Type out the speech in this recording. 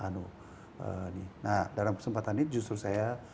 nah dalam kesempatan ini justru saya